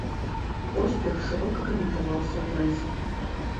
Поспех шырока каментаваўся ў прэсе.